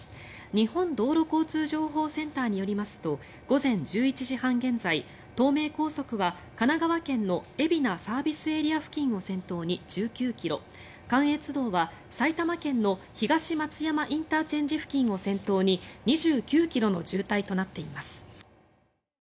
日本道路交通情報センターによりますと午前１１時半現在、東名高速は神奈川県の海老名ＳＡ付近を先頭に１９ｋｍ関越道は埼玉県の東松山ＩＣ付近を先頭に２９ｋｍの渋滞となっています。